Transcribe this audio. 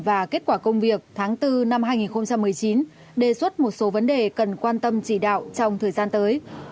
và kết quả công việc tháng bốn năm hai nghìn một mươi chín đề xuất một số vấn đề cần quan tâm chỉ đạo trong thời gian tới